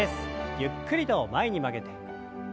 ゆっくりと前に曲げて。